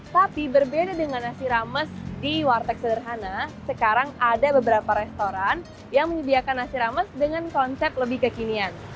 tapi berbeda dengan nasi rames di warteg sederhana sekarang ada beberapa restoran yang menyediakan nasi rames dengan konsep lebih kekinian